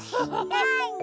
なに？